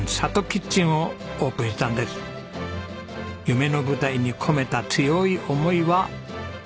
夢の舞台に込めた強い思いは。